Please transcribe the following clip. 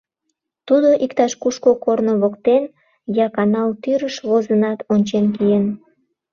Тудо иктаж кушко корно воктен, я канал тӱрыш возынат, ончен киен.